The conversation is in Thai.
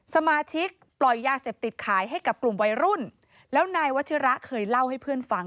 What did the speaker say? สมาชิกปล่อยยาเสพติดขายให้กับกลุ่มวัยรุ่นแล้วนายวัชิระเคยเล่าให้เพื่อนฟัง